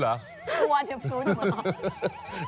กลัวจะพลุนเหรอ